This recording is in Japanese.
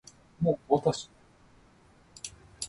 あなたとわたし